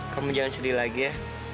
kamu jangan sedih lagi ya